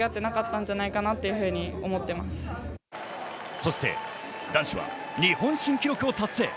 そして男子は日本新記録を達成。